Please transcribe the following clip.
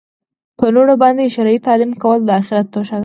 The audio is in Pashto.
په لوڼو باندي شرعي تعلیم کول د آخرت توښه ده